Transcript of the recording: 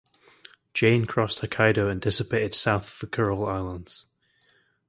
Jane crossed Hokkaido and dissipated south of the Kuril Islands.